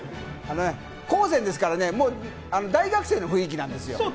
高専ですから、大学生の雰囲気なんですよ。